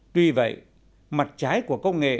tuy vậy mặt trái của công nghệ